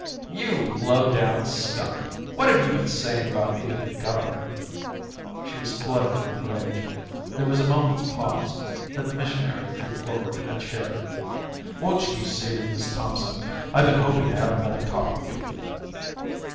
"You low down skunk, what have you been saying about me to the governor?" She was spluttering with rage. There was a moment's pause. Then the missionary drew forward a chair. "Won't you be seated, Miss Thompson? I've been hoping to have another talk with you."